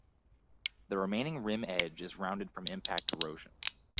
The remaining rim edge is rounded from impact erosion.